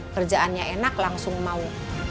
kerjaannya enak langsung mau